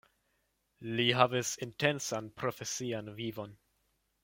Li havis intensan profesian vivon.